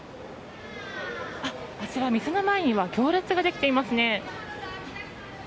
店の前には行列ができていますね。